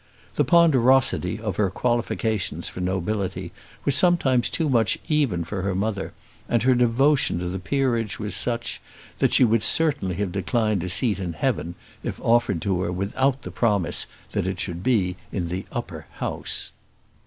The ponderosity of her qualifications for nobility was sometimes too much even for her mother, and her devotion to the peerage was such, that she would certainly have declined a seat in heaven if offered to her without the promise that it should be in the upper house.